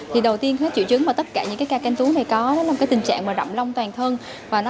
thì đầu tiên các triệu chứng mà tất cả những ca can tú này có là tình trạng rộng lông toàn thân